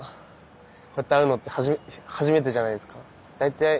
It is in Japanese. こうやって会うのって初めてじゃないですか大体。